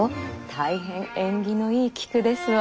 大変縁起のいい菊ですわ。